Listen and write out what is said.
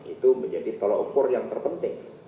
itu menjadi tolok ukur yang terpenting